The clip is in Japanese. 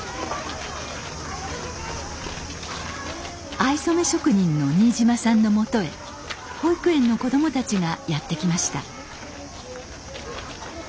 藍染め職人の新島さんのもとへ保育園の子どもたちがやって来ました。